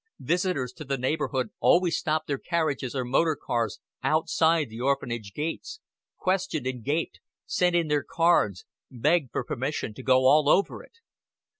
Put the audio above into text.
Visitors to the neighborhood always stopped their carriages or motor cars outside the Orphanage gates, questioned and gaped, sent in their cards, begged for permission to go all over it.